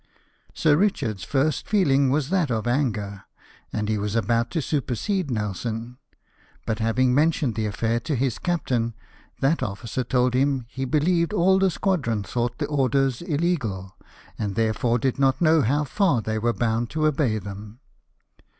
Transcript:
Sir Richard's first feehng was that of anger, and he was about to supersede Nelson ; but having mentioned the affair to his captain, that officer told him he believed all the squadron thought the orders illegal, and therefore did not know how far they were boimd to obey them.